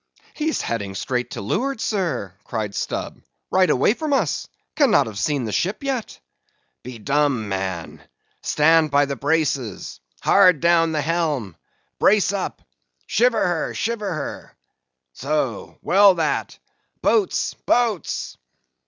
"He is heading straight to leeward, sir," cried Stubb, "right away from us; cannot have seen the ship yet." "Be dumb, man! Stand by the braces! Hard down the helm!—brace up! Shiver her!—shiver her!—So; well that! Boats, boats!"